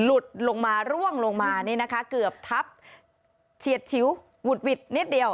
หลุดลงมาร่วงลงมานี่นะคะเกือบทับเฉียดชิวหุดหวิดนิดเดียว